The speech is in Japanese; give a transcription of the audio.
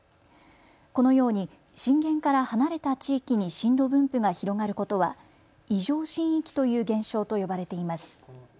このように震源から離れた地域に震度分布が広がることは異常震域という現象と呼ばれています。